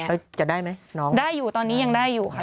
เหลือส่วนนี้ซุคแต่ตอนนี้ยังได้อยู่